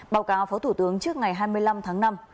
báo cáo phó thủ tướng trước ngày hai mươi năm tháng năm